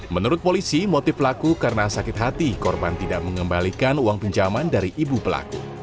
menurut polisi motif pelaku karena sakit hati korban tidak mengembalikan uang pinjaman dari ibu pelaku